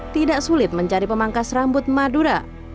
tidak sulit mencari pemangkas rambut madura